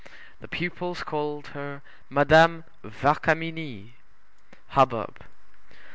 The pupils called her Madame Vacarmini (hubbub).